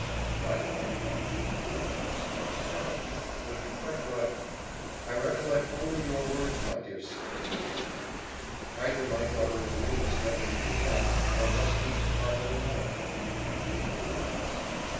"On my part none," replied Mr. Montenero; "but you recollect " "I recollect only your own words, my dear sir," cried I. "'either my daughter and you must never meet again, or must meet to part no more' I claim your promise."